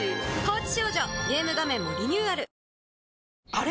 あれ？